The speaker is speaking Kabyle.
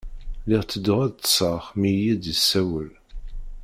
Lliɣ tedduɣ ad ṭṭṣeɣ mi i iyi-d-yessawel.